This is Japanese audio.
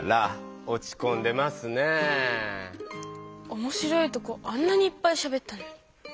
おもしろいとこあんなにいっぱいしゃべったのに。